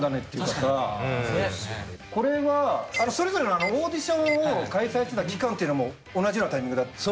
これはそれぞれのオーディションを開催してた期間っていうのは同じようなタイミングだったの？